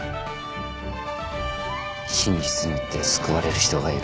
真実によって救われる人がいる。